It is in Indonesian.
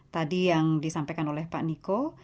tadi yang disampaikan oleh pak niko